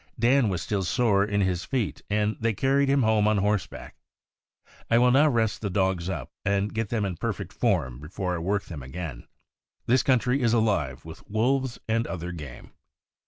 Dan was still sore in his feet, and they carried him home on horse back. I will now rest the dogs up, and get them in perfect form before I work them again. This country is alive with wolves and other game."